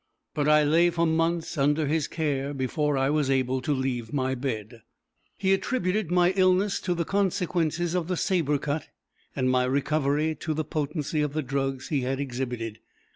But I lay for months under his care before I was able to leave my bed. He attributed my illness to the consequences of the sabre cut, and my recovery to the potency of the drugs he had exhibited.